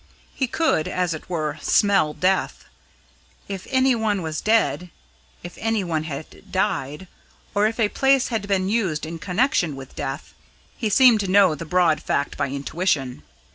He could, as it were, "smell death." If any one was dead, if any one had died, or if a place had been used in connection with death, he seemed to know the broad fact by intuition.